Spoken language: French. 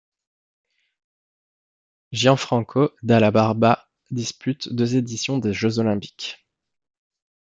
Gianfranco Dalla Barba dispute deux éditions des Jeux olympiques.